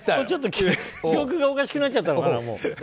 ちょっと記憶がおかしくなっちゃったのかな。